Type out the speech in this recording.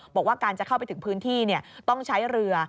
บอกว่าการจะเข้าไปถึงพื้นที่ต้องใช้เรือ